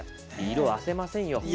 色あせませんよ。